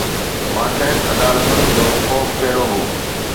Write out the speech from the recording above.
ماتحت عدالتن جو خوف ڪهڙو هو؟